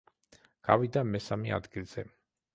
გავიდა მესამე ადგილზე.